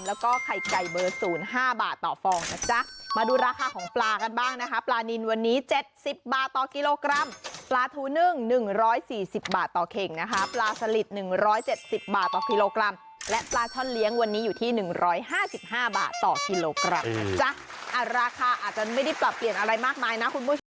ตลาดตลาดตลาดตลาดตลาดตลาดตลาดตลาดตลาดตลาดตลาดตลาดตลาดตลาดตลาดตลาดตลาดตลาดตลาดตลาดตลาดตลาดตลาดตลาดตลาดตลาดตลาดตลาดตลาดตลาดตลาดตลาดตลาดตลาดตลาดตลาดตลาดตลาดตลาดตลาดตลาดตลาดตลาดตลาดต